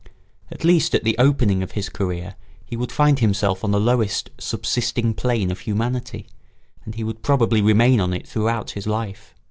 At least at the opening of his career he would find himself on the lowest subsisting plane of humanity, and he would probably remain on it throughout his life.